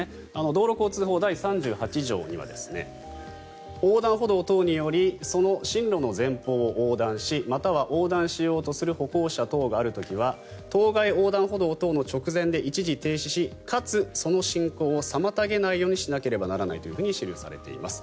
道路交通法第３８条には横断歩道等によりその進路の前方を横断しまたは横断しようとする歩行者等がある時は当該横断歩道等の直前で一時停止しかつその通行を妨げないようにしなければならないと記されています。